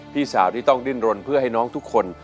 พี่สาวที่ต้องดิ้นรนเพื่อให้น้องทุกคน